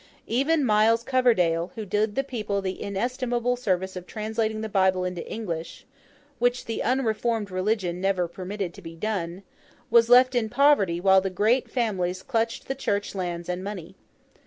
Even Miles Coverdale, who did the people the inestimable service of translating the Bible into English (which the unreformed religion never permitted to be done), was left in poverty while the great families clutched the Church lands and money.